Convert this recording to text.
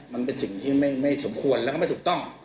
มันเป็นสิ่งที่ไม่สมควรแล้วก็ไม่ถูกต้อง